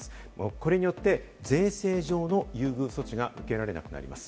これによって税制上の優遇措置が受けられなくなります。